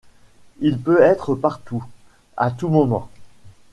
Il peut être partout, à tout moment.